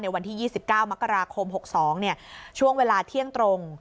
วันที่๒๙มกราคม๖๒ช่วงเวลาเที่ยงตรง